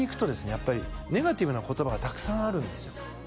やっぱりネガティブな言葉がたくさんあるんですよ